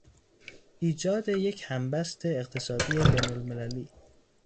ایجاد یک همبست اقتصادی بین المللی